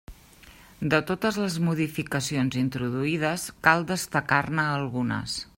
De totes les modificacions introduïdes, cal destacar-ne algunes.